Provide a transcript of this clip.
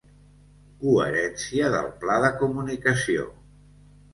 Coherència del pla de comunicació.